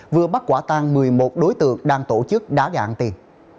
vừa bắt quả tan một mươi một đối tượng đang tổ chức đá gạ ạn tiền